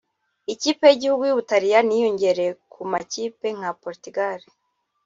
Ikipe y’igihugu y’u Butaliyani yiyongereye ku makipe nka Portugal